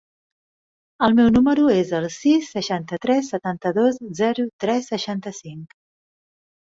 El meu número es el sis, seixanta-tres, setanta-dos, zero, tres, seixanta-cinc.